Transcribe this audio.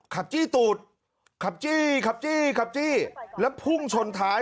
จี้ตูดขับจี้ขับจี้ขับจี้แล้วพุ่งชนท้าย